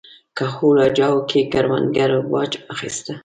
کهول اجاو له کروندګرو باج اخیسته.